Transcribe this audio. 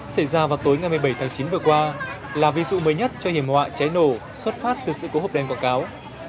xảy ra vào tối ngày một mươi bảy tháng chín vừa qua là ví dụ mới nhất cho hiểm họa cháy nổ xuất phát từ sự cố hộp đèn quảng cáo